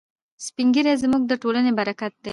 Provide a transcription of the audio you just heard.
سپین ږیري زموږ د ټولنې برکت دی.